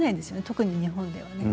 特に日本ではね。